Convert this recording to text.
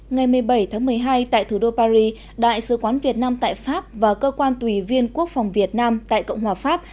ngày một mươi bảy tháng một mươi hai tại thủ đô paris đại sứ quán việt nam tại pháp và cơ quan tùy viên quốc phòng việt nam tại cộng hòa pháp